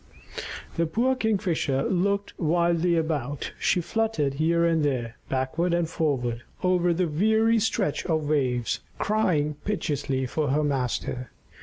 The poor Kingfisher looked wildly about. She fluttered here and there, backward and forward, over the weary stretch of waves, crying piteously for her master.